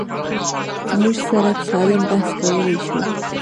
موږ سره سالم بحث کولی شو.